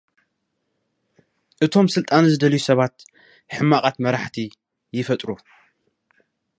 እቶም ስልጣን ዝደልዩ ሰባት፡ ሕማቓት መራሕቲ ይፈጥሩ።